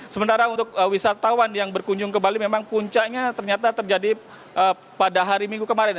sementara untuk wisatawan yang berkunjung ke bali memang puncaknya ternyata terjadi pada hari minggu kemarin